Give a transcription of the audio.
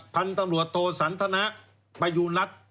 พันธุ์ตำรวจโทษสันทนักไปอยู่รัฐ